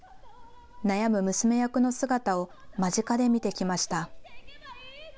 悩む娘役の姿を間近で見てきました。